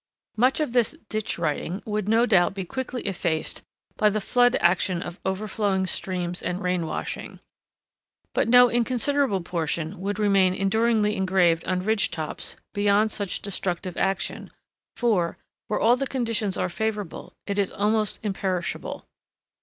Much of this ditch writing would no doubt be quickly effaced by the flood action of overflowing streams and rain washing; but no inconsiderable portion would remain enduringly engraved on ridge tops beyond such destructive action; for, where all the conditions are favorable, it is almost imperishable.